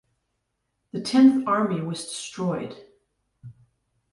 The Tenth Army was destroyed.